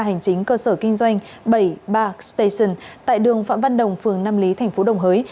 hành chính cơ sở kinh doanh bảy ba station tại đường phạm văn đồng phường nam lý tp đồng hới